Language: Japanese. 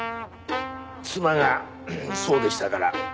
妻がそうでしたから。